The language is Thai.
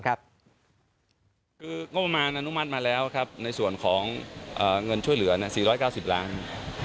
คืองบประมาณอนุมัติมาแล้วครับในส่วนของเงินช่วยเหลือ๔๙๐ล้าน